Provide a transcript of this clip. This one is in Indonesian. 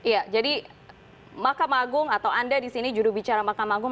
ya jadi mahkamah agung atau anda di sini jurubicara mahkamah agung